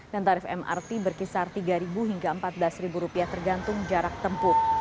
dan tarif mrt berkisar rp tiga hingga rp empat belas tergantung jarak tempuh